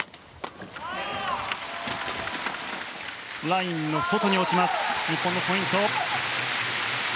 ラインの外に落ちて日本のポイント。